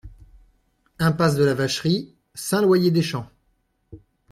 Impasse de la Vacherie, Saint-Loyer-des-Champs